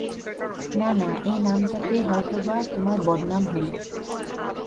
না না, এ নামটাতে হয়তো-বা তোমার বদনাম হল।